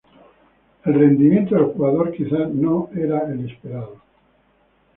El rendimiento del jugador quizás no fue el esperado.